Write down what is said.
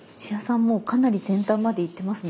もうかなり先端までいってますね。